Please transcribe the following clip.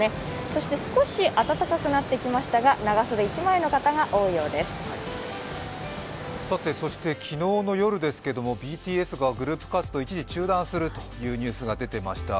そして少し暖かくなってきましたが、昨日の夜ですけれども、ＢＴＳがグループ活動一時中断するというニュースが出ていました。